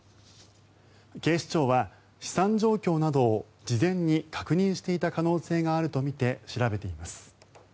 警視庁は、資産状況などを事前に確認していた可能性があるとみて調べています。